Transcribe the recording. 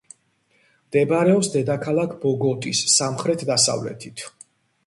მდებარეობს დედაქალაქ ბოგოტის სამხრეთ-დასავლეთით.